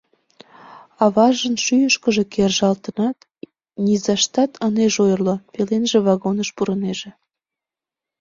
Аважын шӱйышкыжӧ кержалтынат, низаштат ынеж ойырло, пеленже вагоныш пурынеже.